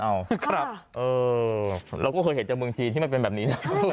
เราก็เคยเห็นจังเมืองจีนที่มันเป็นแบบนี้